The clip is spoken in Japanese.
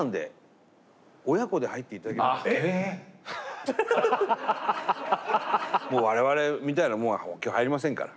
ええ⁉我々みたいな者は今日入りませんから。